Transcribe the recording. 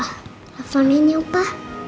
teleponin ya pa